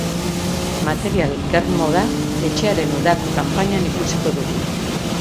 Material girlmoda etxearen udako kanpainan ikusiko dugu.